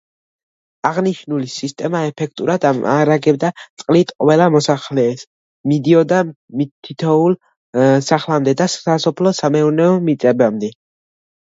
აღნიშნული სისტემა ეფექტურად ამარაგებდა წყლით ყველა მოსახლეს, მიდიოდა თითოეულ სახლამდე და სასოფლო-სამეურნეო მიწებამდე.